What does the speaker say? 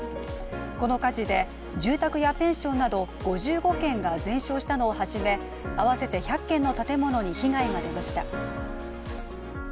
この火事で住宅やペンションなど５５軒が全焼したのを初め合わせて１００軒の建物に被害が出ました。